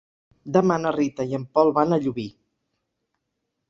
Demà na Rita i en Pol van a Llubí.